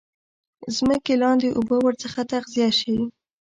ځمکې لاندي اوبه ورڅخه تغذیه شي.